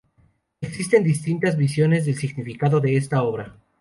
Existen distintas visiones del significado de esta obra.